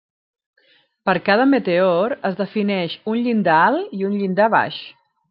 Per cada meteor es defineix un llindar alt i un llindar baix.